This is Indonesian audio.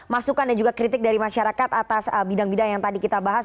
masukan dan juga kritik dari masyarakat atas bidang bidang yang tadi kita bahas